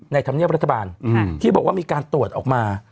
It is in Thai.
ธรรมเนียบรัฐบาลที่บอกว่ามีการตรวจออกมา